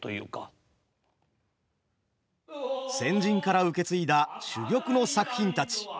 先人から受け継いだ珠玉の作品たち。